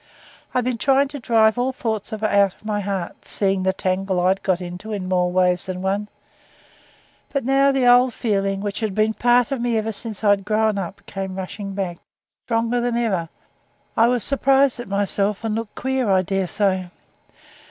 I'd been trying to drive all thoughts of her out of my heart, seeing the tangle I'd got into in more ways than one; but now the old feeling which had been a part of me ever since I'd grown up came rushing back stronger than ever. I was surprised at myself, and looked queer I daresay.